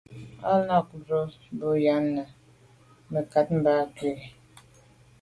À’ nâ’ bə́ mbrə̀ bú gə ́yɑ́nə́ zə̀ mə̀kát mbâ ngɑ̀ lù’ə́.